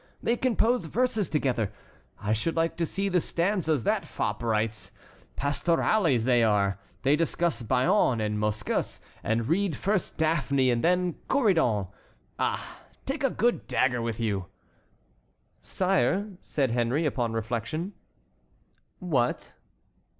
They compose verses together. I should like to see the stanzas that fop writes. Pastorales they are. They discuss Bion and Moschus, and read first Daphne and then Corydon. Ah! take a good dagger with you!" "Sire," said Henry, "upon reflection"— "What?"